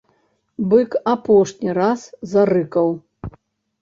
Бык апошні раз зарыкаў.